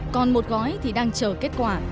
còn một gói thì đang chờ kết quả